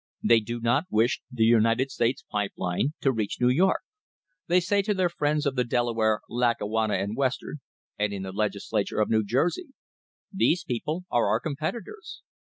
They do not wish the United States Pipe Line to reach New York. They say to their friends of the Delaware, Lackawanna and Western, and in the Legis lature of New Jersey: "These people are our competitors."